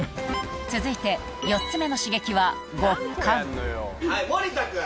続いて４つ目の刺激は森田君。